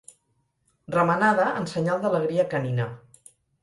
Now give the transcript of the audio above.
Remenada en senyal d'alegria canina.